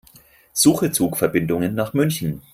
Suche Zugverbindungen nach München.